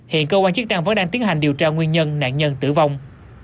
hiện cơ quan chức năng vẫn đang tiến hành điều tra nguyên nhân nạn nhân tử vong